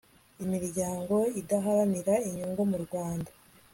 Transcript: imiryango idaharanira inyungu mu rwanda